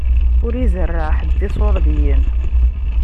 Ur izerreɛ ḥedd iṣuṛdiyen.